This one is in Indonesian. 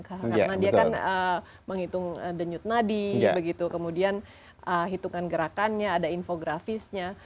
karena dia kan menghitung denyut nadi kemudian hitungan gerakannya ada infografisnya